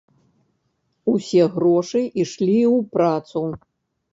Усе грошы ішлі ў працу.